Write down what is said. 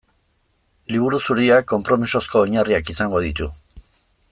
Liburu Zuriak konpromisozko oinarriak izango ditu.